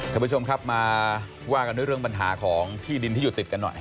ท่านผู้ชมครับมาว่ากันด้วยเรื่องปัญหาของที่ดินที่อยู่ติดกันหน่อย